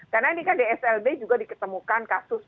karena ini kan di slb juga diketemukan kasus